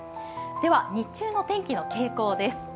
では日中の天気の傾向です。